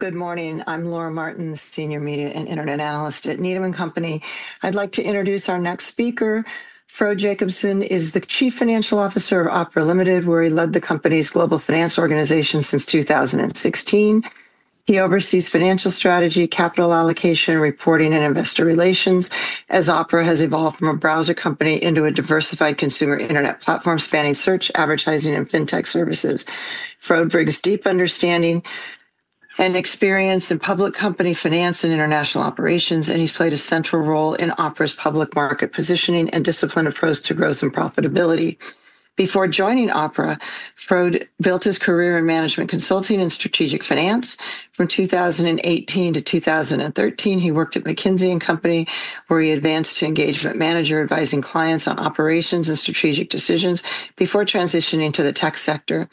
Good morning. I'm Laura Martin, Senior Media and Internet Analyst at Needham & Company. I'd like to introduce our next speaker. Frode Jacobsen is the Chief Financial Officer of Opera Limited, where he led the company's global finance organization since 2016. He oversees financial strategy, capital allocation, reporting, and investor relations as Opera has evolved from a browser company into a diversified consumer internet platform spanning search, advertising, and fintech services. Frode brings deep understanding and experience in public company finance and international operations, and he's played a central role in Opera's public market positioning and disciplined approach to growth and profitability. Before joining Opera, Frode built his career in management consulting and strategic finance. From 2008 to 2013, he worked at McKinsey & Company, where he advanced to Engagement Manager, advising clients on operations and strategic decisions before transitioning to the tech sector.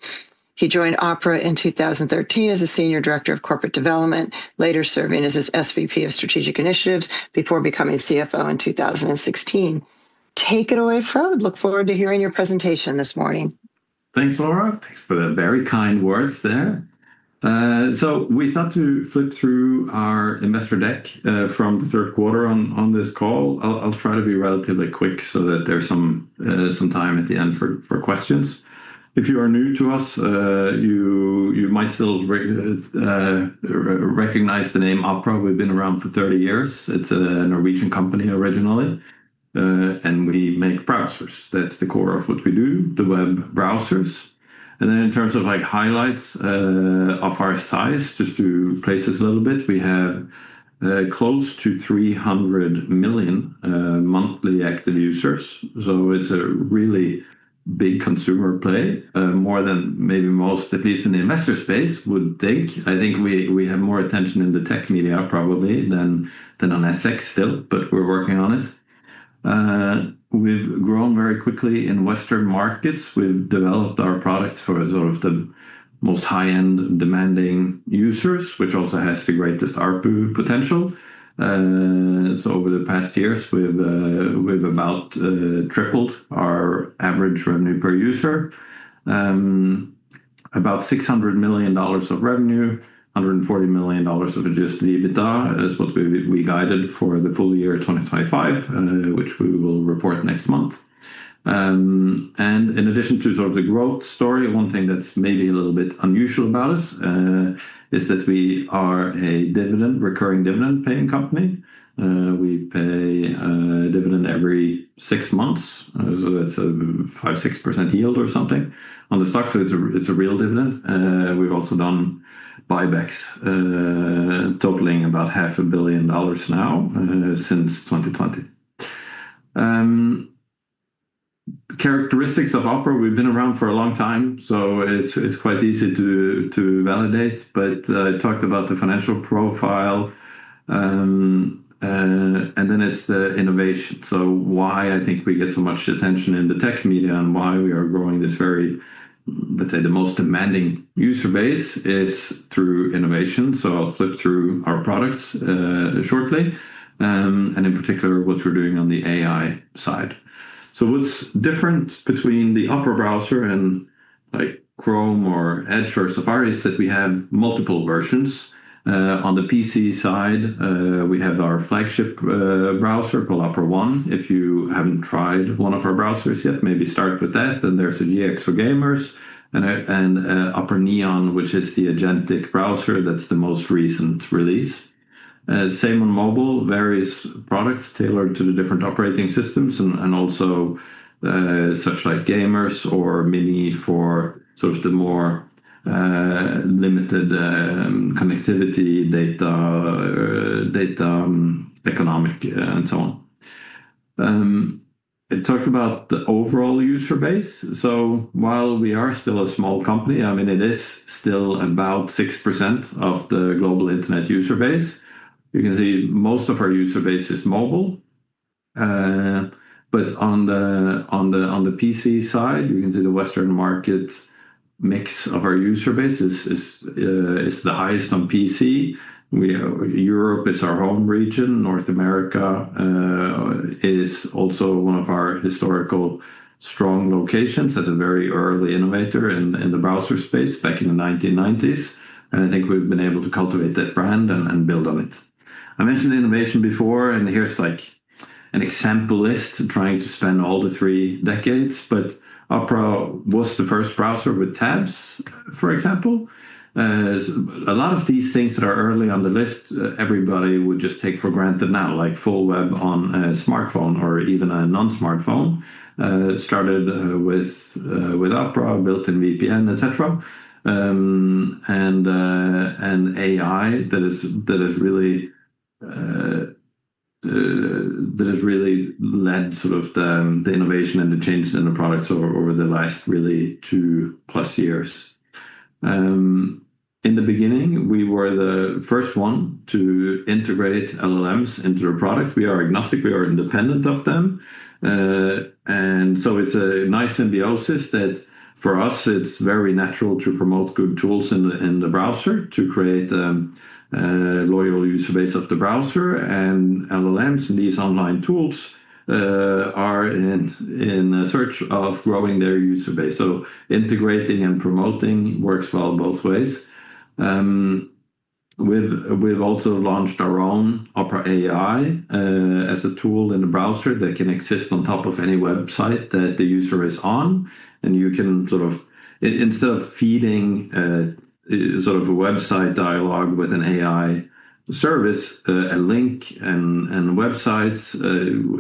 He joined Opera in 2013 as a Senior Director of Corporate Development, later serving as SVP of Strategic Initiatives before becoming CFO in 2016. Take it away, Frode. Look forward to hearing your presentation this morning. Thanks, Laura. Thanks for the very kind words there so we thought to flip through our investor deck from the third quarter on this call. I'll try to be relatively quick so that there's some time at the end for questions. If you are new to us, you might still recognize the name Opera. We've been around for 30 years. It's a Norwegian company originally, and we make browsers. That's the core of what we do, the web browsers and then in terms of highlights of our size just to place this a little bit, we have close to 300 million monthly active users so it's a really big consumer play, more than maybe most, at least in the investor space, would think. I think we have more attention in the tech media probably than on FX still, but we're working on it. We've grown very quickly in Western markets. We've developed our products for sort of the most high-end demanding users, which also has the greatest output potential, so over the past years, we've about tripled our average revenue per user. About $600 million of revenue, $140 million of adjusted EBITDA is what we guided for the full year 2025, which we will report next month, and in addition to sort of the growth story, one thing that's maybe a little bit unusual about us is that we are a recurring dividend-paying company. We pay a dividend every six months, so that's a 5%-6% yield or something on the stock, so it's a real dividend. We've also done buybacks, totaling about $500 million now since 2020. Characteristics of Opera, we've been around for a long time, so it's quite easy to validate, but I talked about the financial profile, and then it's the innovation. So why I think we get so much attention in the tech media and why we are growing this very, let's say, the most demanding user base is through innovation. So I'll flip through our products shortly, and in particular, what we're doing on the AI side. So what's different between the Opera browser and Chrome or Edge or Safari is that we have multiple versions. On the PC side, we have our flagship browser called Opera One. If you haven't tried one of our browsers yet, maybe start with that. Then there's a GX for gamers and Opera Neon, which is the agentic browser. That's the most recent release. Same on mobile, various products tailored to the different operating systems and also such like gamers or Mini for sort of the more limited connectivity, data economic, and so on. I talked about the overall user base. While we are still a small company, I mean, it is still about 6% of the global internet user base. You can see most of our user base is mobile. But on the PC side, you can see the Western market mix of our user base is the highest on PC. Europe is our home region. North America is also one of our historical strong locations as a very early innovator in the browser space back in the 1990s. I think we've been able to cultivate that brand and build on it. I mentioned innovation before, and here's like an example list spanning all three decades. Opera was the first browser with tabs, for example. A lot of these things that are early on the list, everybody would just take for granted now, like full web on a smartphone or even a non-smartphone, started with Opera, built-in VPN, et cetera, and AI that has really led sort of the innovation and the changes in the products over the last really two plus years. In the beginning, we were the first one to integrate LLMs into the product. We are agnostic. We are independent of them, and so it's a nice symbiosis that for us, it's very natural to promote good tools in the browser, to create a loyal user base of the browser, and LLMs and these online tools are in search of growing their user base, so integrating and promoting works well both ways. We've also launched our own Opera AI as a tool in the browser that can exist on top of any website that the user is on, and you can sort of, instead of feeding sort of a website dialogue with an AI service, a link and websites,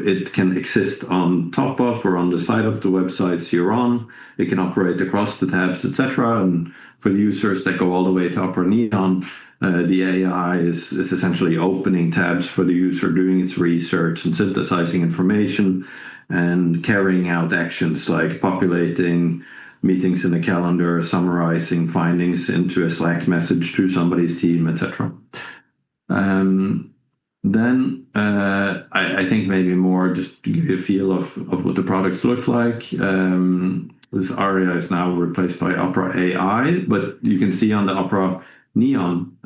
it can exist on top of or on the side of the websites you're on. It can operate across the tabs, et cetera, and for the users that go all the way to Opera Neon, the AI is essentially opening tabs for the user, doing its research and synthesizing information and carrying out actions like populating meetings in the calendar, summarizing findings into a Slack message to somebody's team, et cetera, then I think maybe more just to give you a feel of what the products look like. This Aria is now replaced by Opera AI, but you can see on the Opera Neon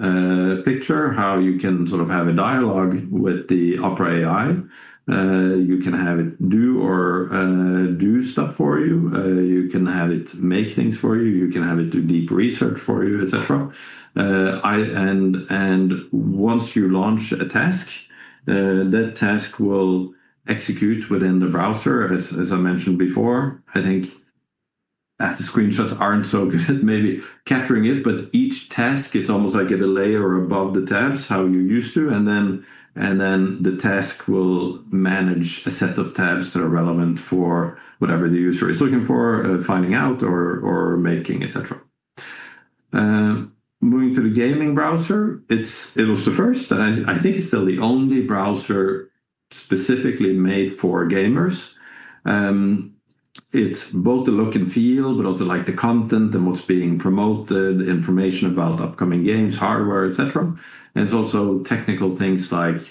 picture how you can sort of have a dialogue with the Opera AI. You can have it do stuff for you. You can have it make things for you. You can have it do deep research for you, et cetera. Once you launch a task, that task will execute within the browser, as I mentioned before. I think the screenshots aren't so good at maybe capturing it, but each task, it's almost like at a layer above the tabs how you used to. Then the task will manage a set of tabs that are relevant for whatever the user is looking for, finding out or making, et cetera. Moving to the gaming browser, it was the first, and I think it's still the only browser specifically made for gamers. It's both the look and feel, but also like the content and what's being promoted, information about upcoming games, hardware, et cetera. And it's also technical things like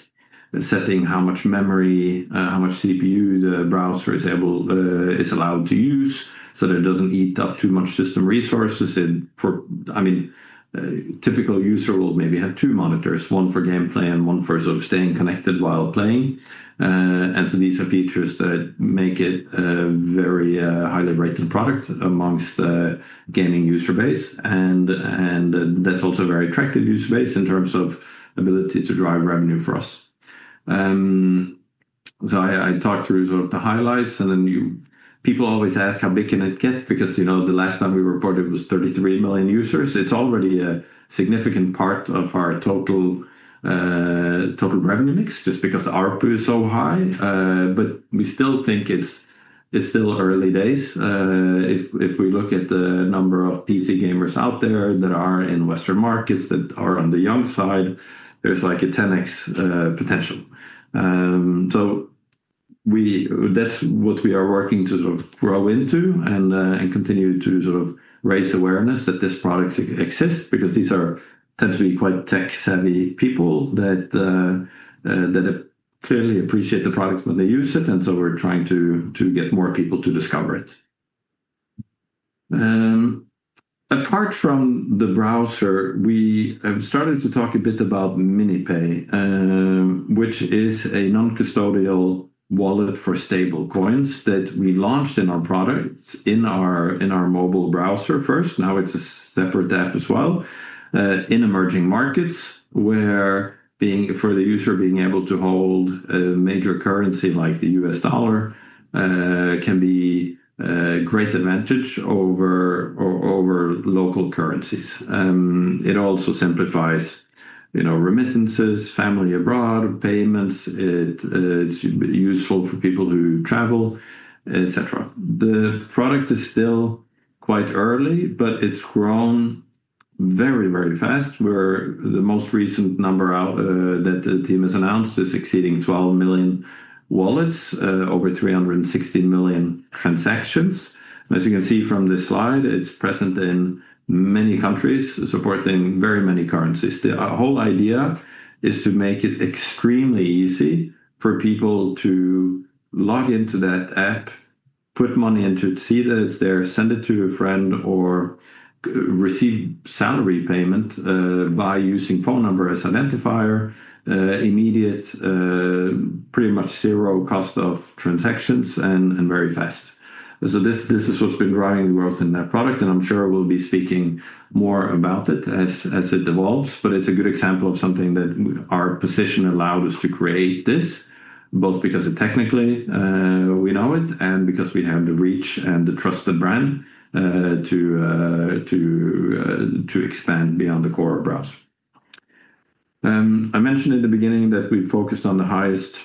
setting how much memory, how much CPU the browser is allowed to use so that it doesn't eat up too much system resources. I mean, a typical user will maybe have two monitors, one for gameplay and one for sort of staying connected while playing. And so these are features that make it a very highly rated product amongst the gaming user base. And that's also a very attractive user base in terms of ability to drive revenue for us. So I talked through sort of the highlights, and then people always ask how big can it get? because the last time we reported was 33 million users. It's already a significant part of our total revenue mix just because the output is so high. But we still think it's still early days. If we look at the number of PC gamers out there that are in Western markets that are on the young side, there's like a 10x potential. So that's what we are working to sort of grow into and continue to sort of raise awareness that these products exist because these are tend to be quite tech-savvy people that clearly appreciate the products when they use it. And so we're trying to get more people to discover it. Apart from the browser, we have started to talk a bit about MiniPay, which is a non-custodial wallet for stablecoins that we launched in our products in our mobile browser first. Now it's a separate app as well in emerging markets where for the user being able to hold a major currency like the U.S. dollar can be a great advantage over local currencies. It also simplifies remittances, family abroad payments. It's useful for people who travel, et cetera. The product is still quite early, but it's grown very, very fast where the most recent number that the team has announced is exceeding 12 million wallets, over 360 million transactions. As you can see from this slide, it's present in many countries supporting very many currencies. The whole idea is to make it extremely easy for people to log into that app, put money into it, see that it's there, send it to a friend, or receive salary payment by using phone number as identifier, immediate, pretty much zero cost of transactions, and very fast. So this is what's been driving the growth in that product, and I'm sure we'll be speaking more about it as it evolves. But it's a good example of something that our position allowed us to create this, both because technically we know it and because we have the reach and the trusted brand to expand beyond the core of browser. I mentioned in the beginning that we focused on the highest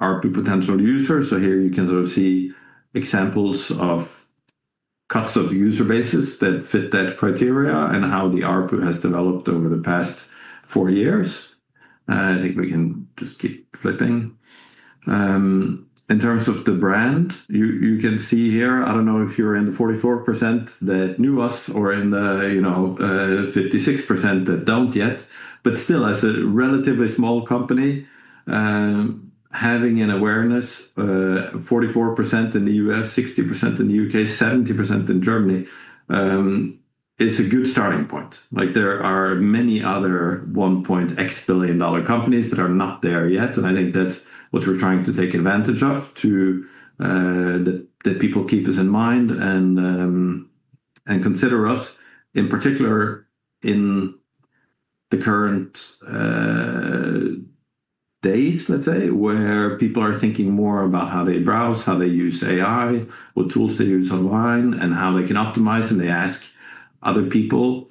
ARPU potential users. So here you can sort of see examples of cuts of user bases that fit that criteria and how the ARPU has developed over the past four years. I think we can just keep flipping. In terms of the brand, you can see here, I don't know if you're in the 44% that knew us or in the 56% that don't yet, but still, as a relatively small company, having an awareness, 44% in the U.S., 60% in the U.K., 70% in Germany is a good starting point. There are many other one-point X billion dollar companies that are not there yet. And I think that's what we're trying to take advantage of that people keep us in mind and consider us in particular in the current days, let's say, where people are thinking more about how they browse, how they use AI, what tools they use online, and how they can optimize. And they ask other people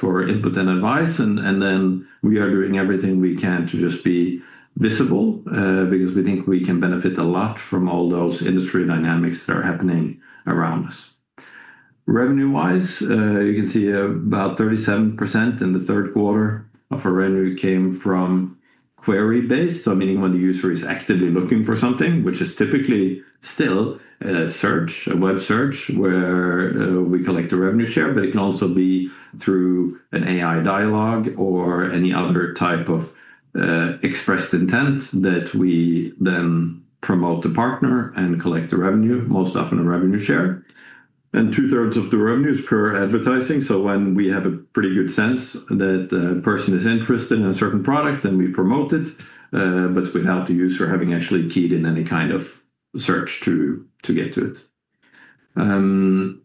for input and advice. And then we are doing everything we can to just be visible because we think we can benefit a lot from all those industry dynamics that are happening around us. Revenue-wise, you can see about 37% in the third quarter of our revenue came from query-based, so meaning when the user is actively looking for something, which is typically still a search, a web search where we collect a revenue share, but it can also be through an AI dialogue or any other type of expressed intent that we then promote a partner and collect the revenue, most often a revenue share. And two-thirds of the revenue is per advertising. So when we have a pretty good sense that a person is interested in a certain product, then we promote it. But without the user having actually keyed in any kind of search to get to it.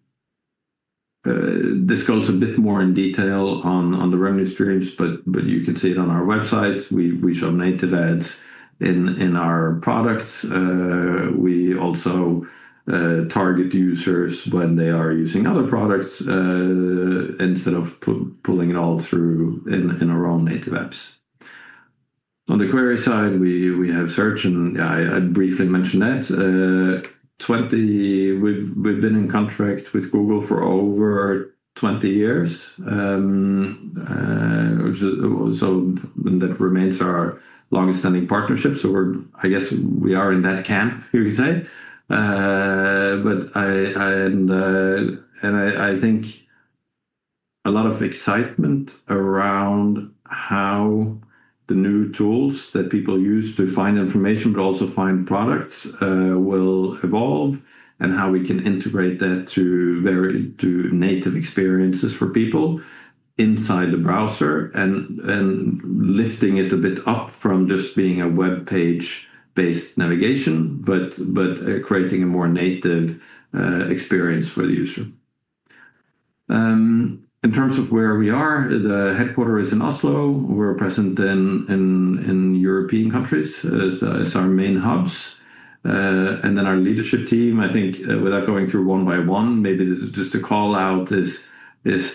This goes a bit more in detail on the revenue streams, but you can see it on our website. We show native ads in our products. We also target users when they are using other products instead of pulling it all through in our own native apps. On the query side, we have search, and I briefly mentioned that. We've been in contract with Google for over 20 years, so that remains our longest-standing partnership. So I guess we are in that camp, you could say. But I think a lot of excitement around how the new tools that people use to find information, but also find products will evolve and how we can integrate that to native experiences for people inside the browser and lifting it a bit up from just being a web page-based navigation, but creating a more native experience for the user. In terms of where we are, the headquarters is in Oslo. We're present in European countries as our main hubs, and then our leadership team, I think without going through one by one, maybe just to call out this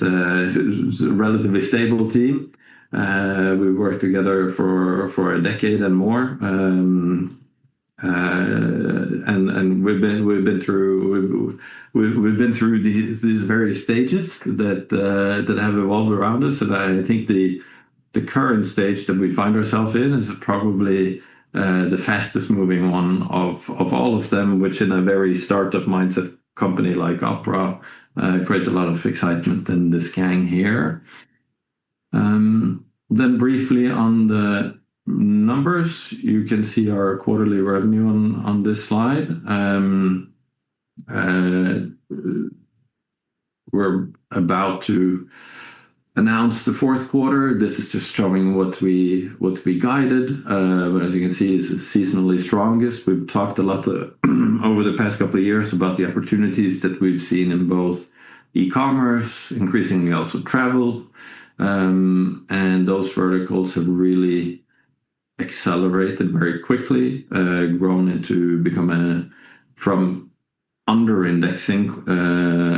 relatively stable team, we've worked together for a decade and more, and we've been through these various stages that have evolved around us, and I think the current stage that we find ourselves in is probably the fastest-moving one of all of them, which in a very startup mindset company like Opera creates a lot of excitement in this gang here, then briefly on the numbers, you can see our quarterly revenue on this slide. We're about to announce the fourth quarter. This is just showing what we guided, but as you can see, it's seasonally strongest. We've talked a lot over the past couple of years about the opportunities that we've seen in both e-commerce, increasingly also travel, and those verticals have really accelerated very quickly, grown into becoming from under-indexing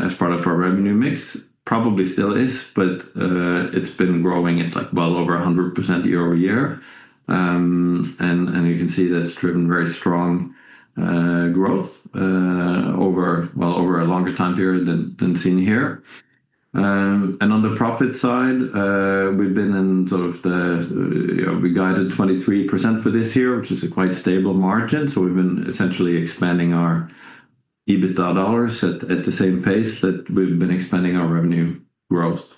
as part of our revenue mix. Probably still is, but it's been growing at well over 100% year-over-year, and you can see that's driven very strong growth over a longer time period than seen here, and on the profit side, we've been in sort of the we guided 23% for this year, which is a quite stable margin, so we've been essentially expanding our EBITDA dollars at the same pace that we've been expanding our revenue growth.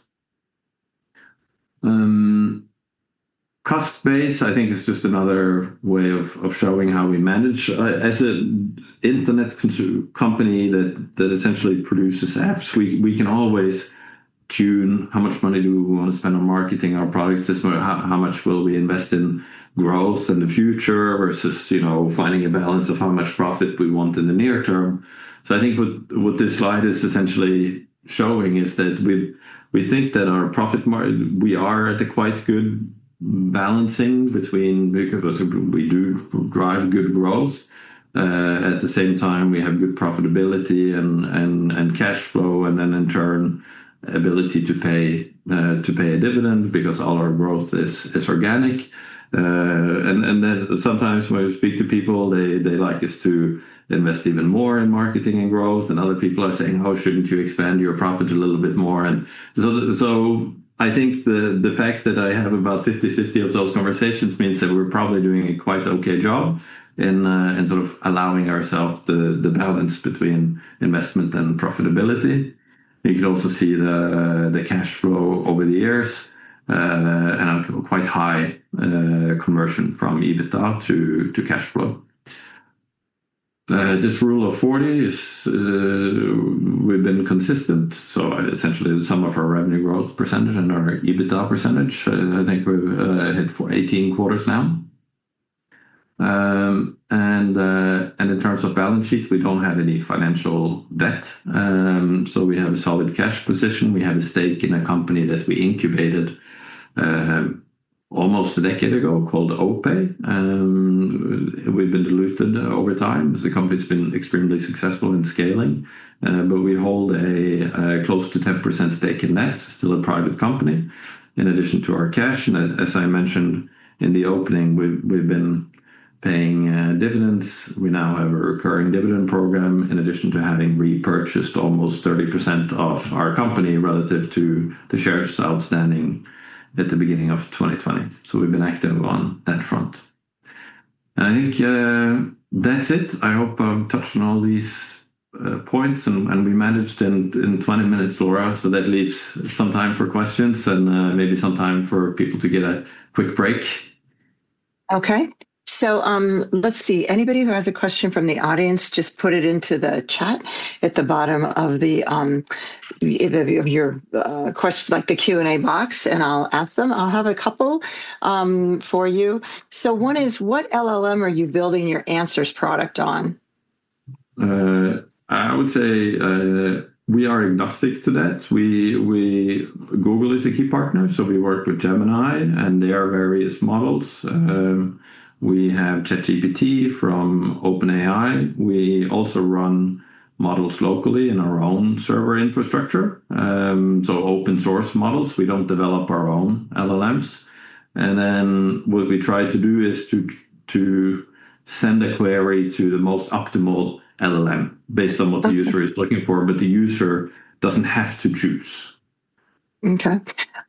Cost base, I think, is just another way of showing how we manage. As an internet company that essentially produces apps, we can always tune how much money do we want to spend on marketing our products this way, how much will we invest in growth in the future versus finding a balance of how much profit we want in the near term, so I think what this slide is essentially showing is that we think that our profit margin, we are at a quite good balancing between because we do drive good growth, at the same time, we have good profitability and cash flow, and then in turn, ability to pay a dividend because all our growth is organic, and sometimes when we speak to people, they like us to invest even more in marketing and growth. Other people are saying, "Oh, shouldn't you expand your profit a little bit more?" And so I think the fact that I have about 50-50 of those conversations means that we're probably doing a quite okay job in sort of allowing ourselves the balance between investment and profitability. You can also see the cash flow over the years and quite high conversion from EBITDA to cash flow. This Rule of 40, we've been consistent. So essentially, the sum of our revenue growth percentage and our EBITDA percentage, I think we've hit for 18 quarters now. And in terms of balance sheet, we don't have any financial debt. So we have a solid cash position. We have a stake in a company that we incubated almost a decade ago called OPay. We've been diluted over time. The company's been extremely successful in scaling, but we hold a close to 10% stake in that. It's still a private company in addition to our cash, and as I mentioned in the opening, we've been paying dividends. We now have a recurring dividend program in addition to having repurchased almost 30% of our company relative to the shares outstanding at the beginning of 2020, so we've been active on that front, and I think that's it. I hope I've touched on all these points and we managed in 20 minutes, Laura, so that leaves some time for questions and maybe some time for people to get a quick break. Okay, so let's see. Anybody who has a question from the audience, just put it into the chat at the bottom of your question, like the Q&A box, and I'll ask them. I'll have a couple for you. So one is, what LLM are you building your answers product on? I would say we are agnostic to that. Google is a key partner, so we work with Gemini and their various models. We have ChatGPT from OpenAI. We also run models locally in our own server infrastructure. So open-source models. We don't develop our own LLMs. And then what we try to do is to send a query to the most optimal LLM based on what the user is looking for, but the user doesn't have to choose. Okay.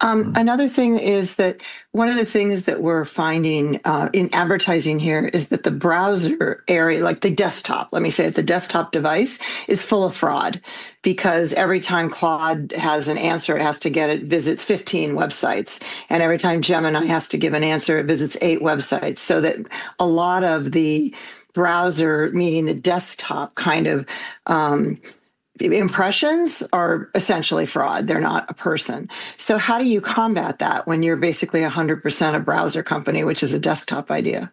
Another thing is that one of the things that we're finding in advertising here is that the browser area, like the desktop, let me say it, the desktop device is full of fraud because every time Claude has an answer, it has to get it, visits 15 websites. And every time Gemini has to give an answer, it visits eight websites. So that a lot of the browser, meaning the desktop kind of impressions are essentially fraud. They're not a person. So how do you combat that when you're basically 100% a browser company, which is a desktop idea?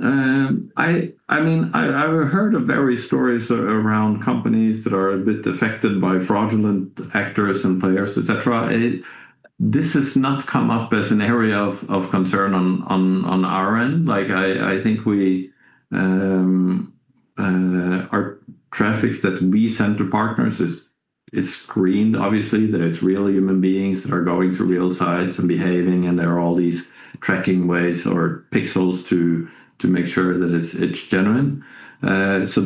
I mean, I've heard of various stories around companies that are a bit affected by fraudulent actors and players, et cetera. This has not come up as an area of concern on our end. I think our traffic that we send to partners is screened, obviously, that it's real human beings that are going through real sites and behaving. And there are all these tracking ways or pixels to make sure that it's genuine. So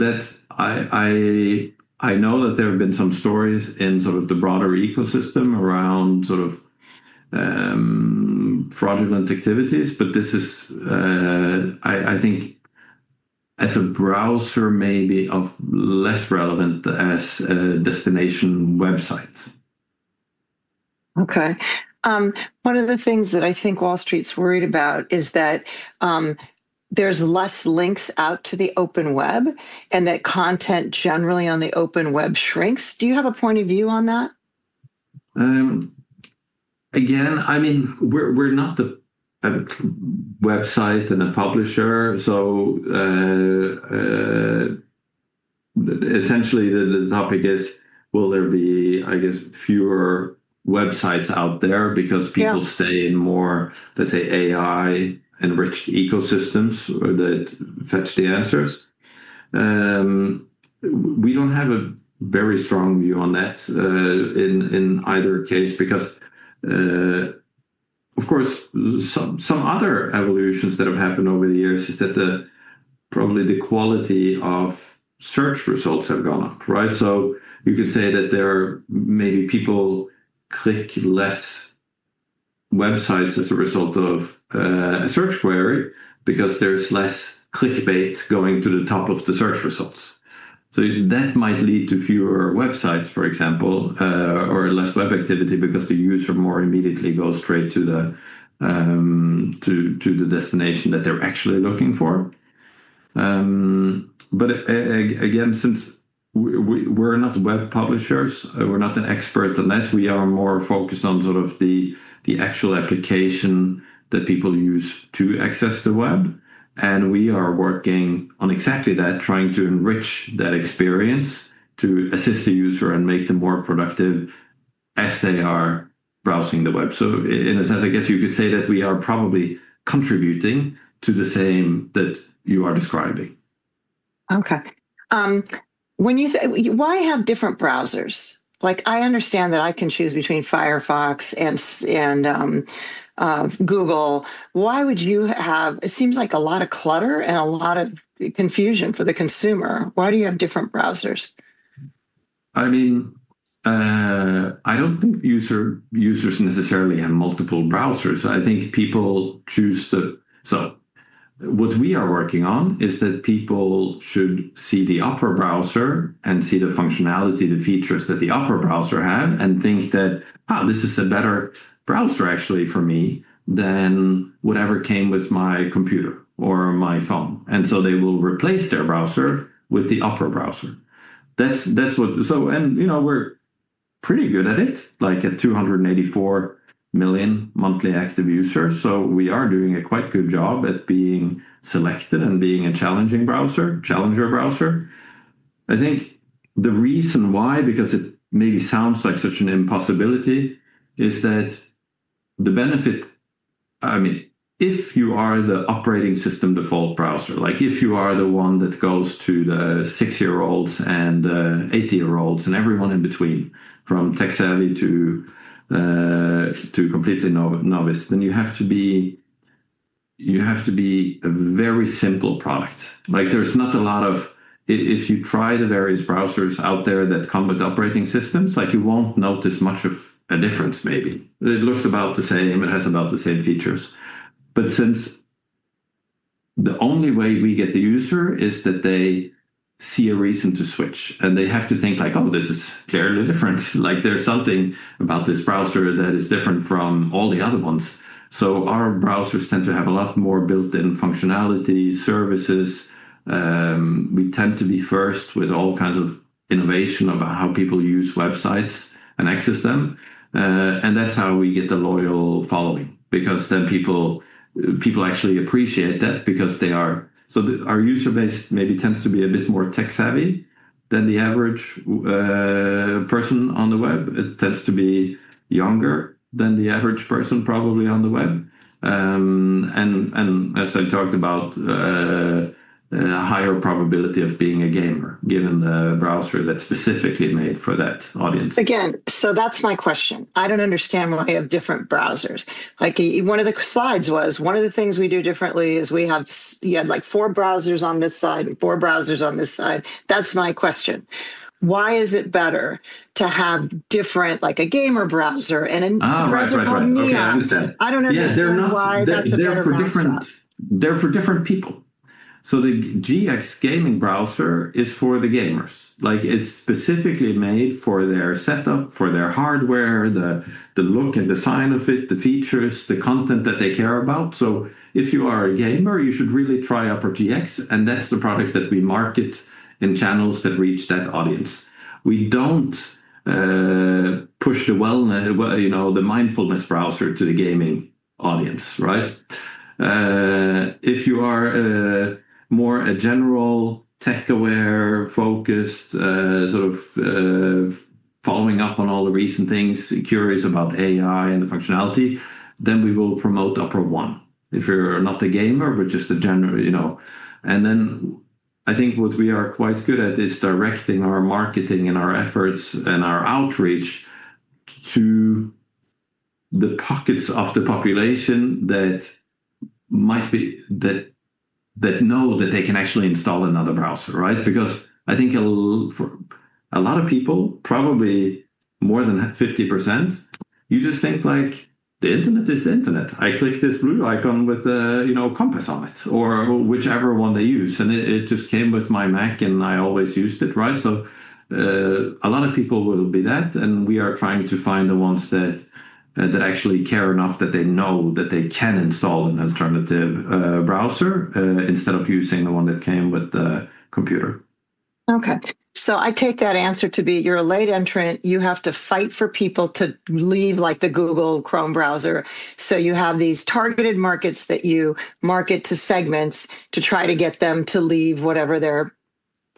I know that there have been some stories in sort of the broader ecosystem around sort of fraudulent activities, but this is, I think, as a browser maybe of less relevant as a destination website. Okay. One of the things that I think Wall Street's worried about is that there's less links out to the open web and that content generally on the open web shrinks. Do you have a point of view on that? Again, I mean, we're not a website and a publisher. So essentially, the topic is, will there be, I guess, fewer websites out there because people stay in more, let's say, AI-enriched ecosystems that fetch the answers? We don't have a very strong view on that in either case because, of course, some other evolutions that have happened over the years is that probably the quality of search results have gone up, right? So you could say that there are maybe people click less websites as a result of a search query because there's less clickbait going to the top of the search results. So that might lead to fewer websites, for example, or less web activity because the user more immediately goes straight to the destination that they're actually looking for. But again, since we're not web publishers, we're not an expert on that. We are more focused on sort of the actual application that people use to access the web. And we are working on exactly that, trying to enrich that experience to assist the user and make them more productive as they are browsing the web. So in a sense, I guess you could say that we are probably contributing to the same that you are describing. Okay. Why have different browsers? I understand that I can choose between Firefox and Google. Why would you have it? It seems like a lot of clutter and a lot of confusion for the consumer. Why do you have different browsers? I mean, I don't think users necessarily have multiple browsers. I think people choose to. So what we are working on is that people should see the Opera browser and see the functionality, the features that the Opera browser have and think that, "Oh, this is a better browser actually for me than whatever came with my computer or my phone." And so they will replace their browser with the Opera browser. And we're pretty good at it, like at 284 million monthly active users. So we are doing a quite good job at being selected and being a challenger browser, challenger browser. I think the reason why, because it maybe sounds like such an impossibility, is that the benefit, I mean, if you are the operating system default browser, like if you are the one that goes to the six-year-olds and eight-year-olds and everyone in between from tech-savvy to completely novice, then you have to be a very simple product. There's not a lot of, if you try the various browsers out there that come with operating systems, you won't notice much of a difference maybe. It looks about the same. It has about the same features. But since the only way we get the user is that they see a reason to switch, and they have to think like, "Oh, this is clearly different. There's something about this browser that is different from all the other ones." So our browsers tend to have a lot more built-in functionality, services. We tend to be first with all kinds of innovation of how people use websites and access them. And that's how we get the loyal following because then people actually appreciate that because they are. So our user base maybe tends to be a bit more tech-savvy than the average person on the web. It tends to be younger than the average person probably on the web. And as I talked about, a higher probability of being a gamer given the browser that's specifically made for that audience. Again, so that's my question. I don't understand why you have different browsers. One of the slides was one of the things we do differently is we have four browsers on this side and four browsers on this side. That's my question. Why is it better to have different, like a gamer browser and a browser called Neon? I don't understand. I don't understand why that's different. They're for different people. So the GX gaming browser is for the gamers. It's specifically made for their setup, for their hardware, the look and design of it, the features, the content that they care about. So if you are a gamer, you should really try out our GX, and that's the product that we market in channels that reach that audience. We don't push the One browser to the gaming audience, right? If you are more a general tech-aware focused, sort of following up on all the recent things, curious about AI and the functionality, then we will promote Opera One. If you're not a gamer, but just a general. And then I think what we are quite good at is directing our marketing and our efforts and our outreach to the pockets of the population that know that they can actually install another browser, right? Because I think a lot of people, probably more than 50%, you just think like the internet is the internet. I click this blue icon with a compass on it or whichever one they use. And it just came with my Mac, and I always used it, right? So a lot of people will be that. And we are trying to find the ones that actually care enough that they know that they can install an alternative browser instead of using the one that came with the computer. Okay. So I take that answer to be you're a late entrant. You have to fight for people to leave the Google Chrome browser. You have these targeted markets that you market to segments to try to get them to leave whatever their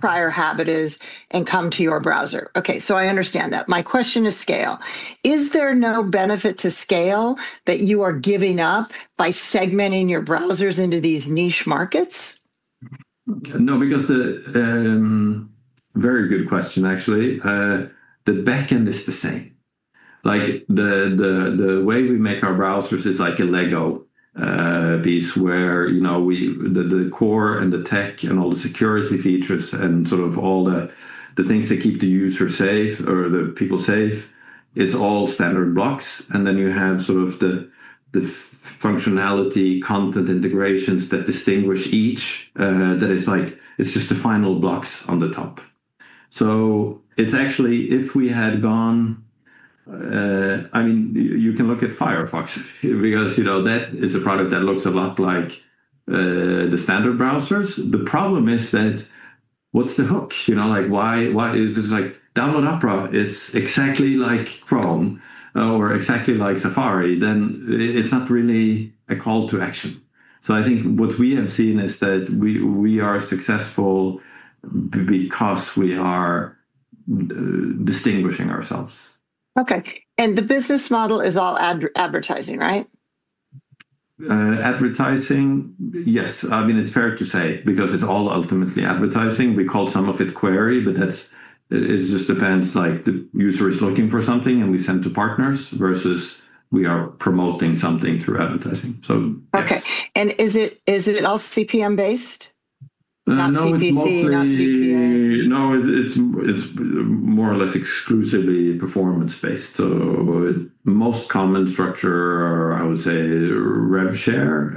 prior habit is and come to your browser. Okay. So I understand that. My question is scale. Is there no benefit to scale that you are giving up by segmenting your browsers into these niche markets? No, because very good question, actually. The backend is the same. The way we make our browsers is like a Lego piece where the core and the tech and all the security features and sort of all the things that keep the user safe or the people safe, it's all standard blocks. And then you have sort of the functionality content integrations that distinguish each. That it's just the final blocks on the top. It's actually, if we had gone, I mean, you can look at Firefox because that is a product that looks a lot like the standard browsers. The problem is that what's the hook? Why is this like download Opera? It's exactly like Chrome or exactly like Safari. Then it's not really a call to action. So I think what we have seen is that we are successful because we are distinguishing ourselves. Okay. And the business model is all advertising, right? Advertising, yes. I mean, it's fair to say because it's all ultimately advertising. We call some of it query, but it just depends like the user is looking for something and we send to partners versus we are promoting something through advertising. Okay. And is it all CPM-based? Not CPC, not CPA? No, it's more or less exclusively performance-based. So most common structure, I would say, rev share,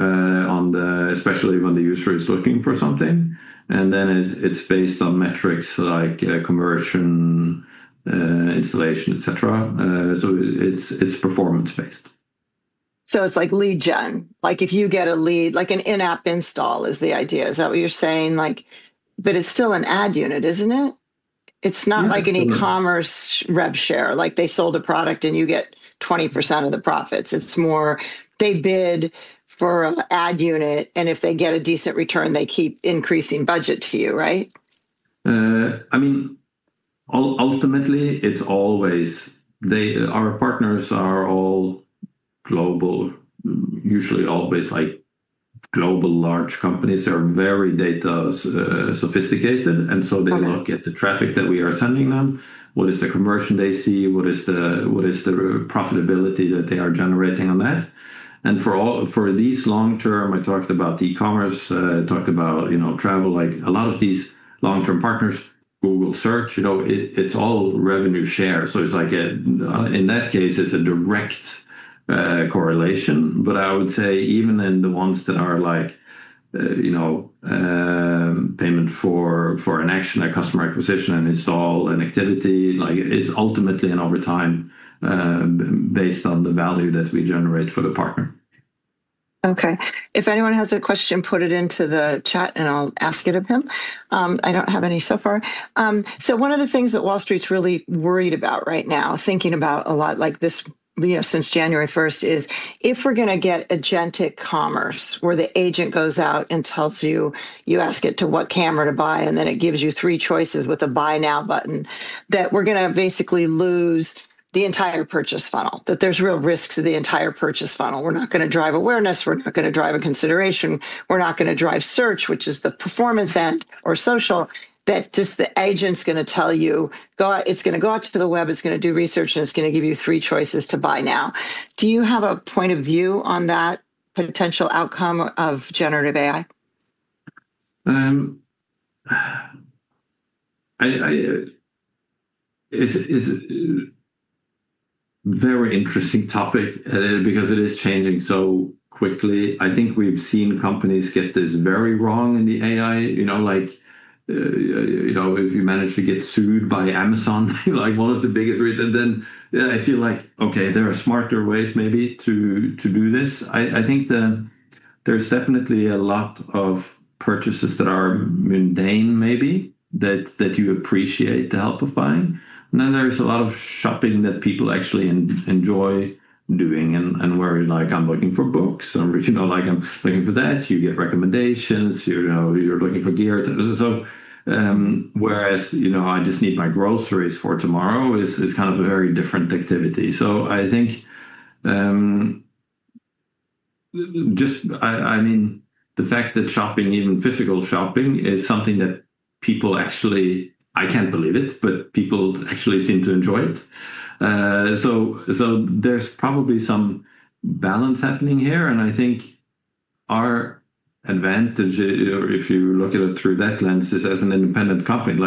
especially when the user is looking for something. And then it's based on metrics like conversion, installation, et cetera. So it's performance-based. So it's like lead gen. Like if you get a lead, like an in-app install is the idea. Is that what you're saying? But it's still an ad unit, isn't it? It's not like an e-commerce rev share. Like they sold a product and you get 20% of the profits. It's more they bid for an ad unit. And if they get a decent return, they keep increasing budget to you, right? I mean, ultimately, it's always our partners are all global, usually always like global large companies that are very data sophisticated. And so they look at the traffic that we are sending them. What is the conversion they see? What is the profitability that they are generating on that? And for these long-term, I talked about e-commerce, talked about travel. A lot of these long-term partners, Google Search, it's all revenue share. So it's like in that case, it's a direct correlation. But I would say even in the ones that are like payment for an action, a customer acquisition, an install, an activity, it's ultimately over time based on the value that we generate for the partner. Okay. If anyone has a question, put it into the chat and I'll ask it of him. I don't have any so far. So one of the things that Wall Street's really worried about right now, thinking about a lot like this since January 1st, is if we're going to get agentic commerce where the agent goes out and tells you, you ask it what camera to buy, and then it gives you three choices with a buy now button, that we're going to basically lose the entire purchase funnel, that there's real risks to the entire purchase funnel. We're not going to drive awareness. We're not going to drive a consideration. We're not going to drive search, which is the performance end or social, that just the agent's going to tell you, it's going to go out to the web, it's going to do research, and it's going to give you three choices to buy now. Do you have a point of view on that potential outcome of generative AI? It's a very interesting topic because it is changing so quickly. I think we've seen companies get this very wrong in the AI. If you manage to get sued by Amazon, one of the biggest reasons, then I feel like, okay, there are smarter ways maybe to do this. I think there's definitely a lot of purchases that are mundane maybe that you appreciate the help of buying. And then there's a lot of shopping that people actually enjoy doing and where I'm looking for books. I'm looking for that. You get recommendations. You're looking for gear. Whereas I just need my groceries for tomorrow is kind of a very different activity. So I think just, I mean, the fact that shopping, even physical shopping, is something that people actually, I can't believe it, but people actually seem to enjoy it. So there's probably some balance happening here. And I think our advantage, if you look at it through that lens, is as an independent company.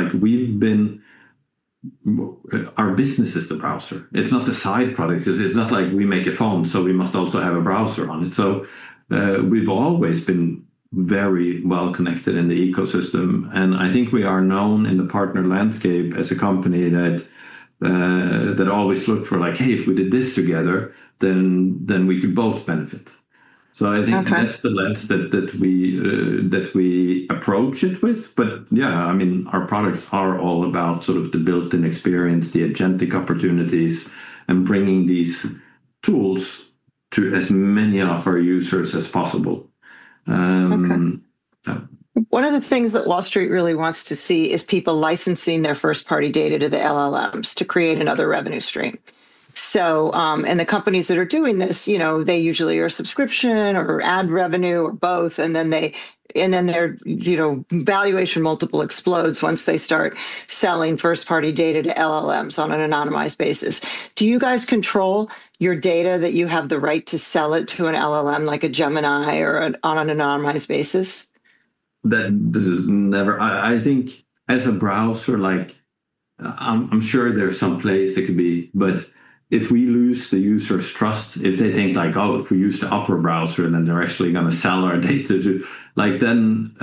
Our business is the browser. It's not the side product. It's not like we make a phone, so we must also have a browser on it. So we've always been very well connected in the ecosystem. And I think we are known in the partner landscape as a company that always looked for like, "Hey, if we did this together, then we could both benefit." So I think that's the lens that we approach it with. But yeah, I mean, our products are all about sort of the built-in experience, the agentic opportunities, and bringing these tools to as many of our users as possible. One of the things that Wall Street really wants to see is people licensing their first-party data to the LLMs to create another revenue stream. The companies that are doing this usually are subscription or ad revenue or both. Then their valuation multiple explodes once they start selling first-party data to LLMs on an anonymized basis. Do you guys control your data that you have the right to sell it to an LLM like a Gemini or on an anonymized basis? I think as a browser, I'm sure there's some place that could be. But if we lose the user's trust, if they think like, "Oh, if we use the Opera browser, then they're actually going to sell our data," then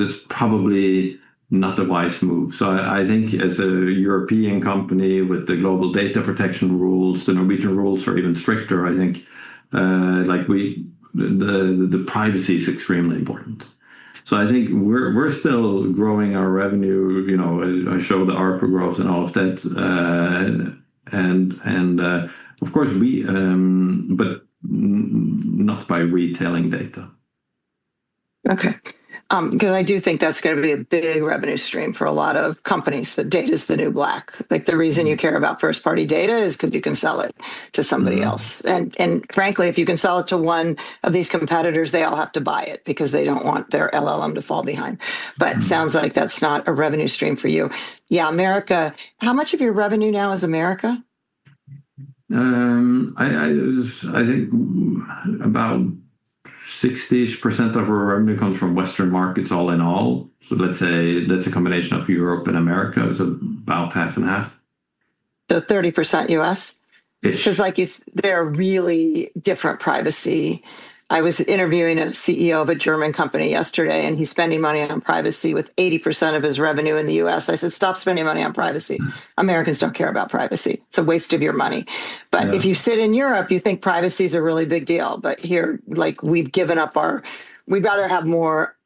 it's probably not a wise move. So I think as a European company with the global data protection rules, the Norwegian rules are even stricter. I think the privacy is extremely important. So I think we're still growing our revenue. I show the ARPU growth and all of that. Of course, but not by retailing data. Okay. Because I do think that's going to be a big revenue stream for a lot of companies. The data is the new black. The reason you care about first-party data is because you can sell it to somebody else. Frankly, if you can sell it to one of these competitors, they all have to buy it because they don't want their LLM to fall behind. But it sounds like that's not a revenue stream for you. Yeah, America, how much of your revenue now is America? I think about 60% of our revenue comes from Western markets all in all. So let's say that's a combination of Europe and America. It's about half and half. So 30% U.S.? Because they're really different privacy. I was interviewing a CEO of a German company yesterday, and he's spending money on privacy with 80% of his revenue in the U.S. I said, "Stop spending money on privacy. Americans don't care about privacy. It's a waste of your money." But if you sit in Europe, you think privacy is a really big deal. But here, we've given up our—we'd rather have more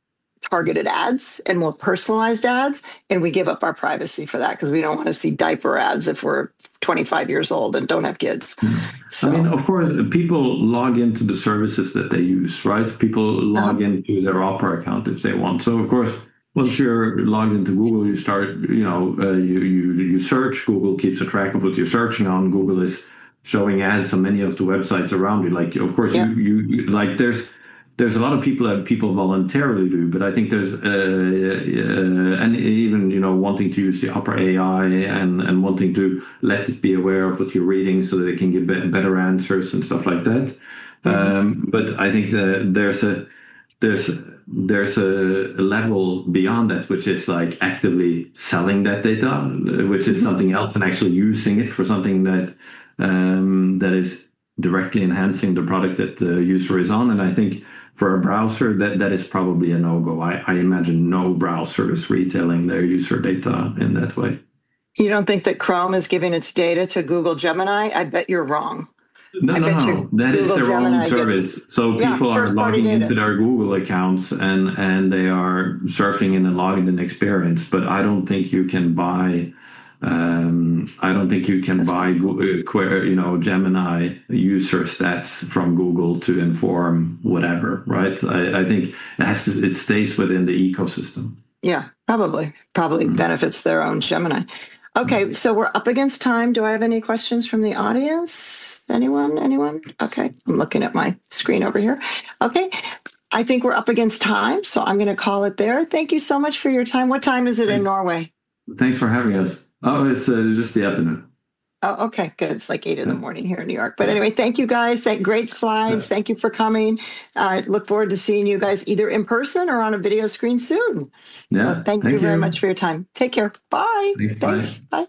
targeted ads and more personalized ads, and we give up our privacy for that because we don't want to see diaper ads if we're 25 years old and don't have kids. Of course, people log into the services that they use, right? People log into their Opera account if they want. So of course, once you're logged into Google, you search. Google keeps track of what you're searching on. Google is showing ads on many of the websites around you. Of course, there's a lot of people that people voluntarily do, but I think there's even wanting to use the Opera AI and wanting to let it be aware of what you're reading so that it can give better answers and stuff like that. But I think there's a level beyond that, which is actively selling that data, which is something else, and actually using it for something that is directly enhancing the product that the user is on. And I think for a browser, that is probably a no-go. I imagine no browser is retailing their user data in that way. You don't think that Chrome is giving its data to Google Gemini? I bet you're wrong. I bet you're wrong. That is the wrong service. So people are logging into their Google accounts, and they are surfing in a logged-in experience. But I don't think you can buy Gemini user stats from Google to inform whatever, right? I think it stays within the ecosystem. Yeah, probably. Probably benefits their own Gemini. Okay, so we're up against time. Do I have any questions from the audience? Anyone? Anyone? Okay. I'm looking at my screen over here. Okay. I think we're up against time, so I'm going to call it there. Thank you so much for your time. What time is it in Norway? Thanks for having us. Oh, it's just the afternoon. Oh, okay. Good. It's like 8:00 A.M. here in New York. But anyway, thank you, guys. Great slides. Thank you for coming. I look forward to seeing you guys either in person or on a video screen soon. Yeah. Thank you very much for your time. Take care. Bye. Thanks. Bye. Bye.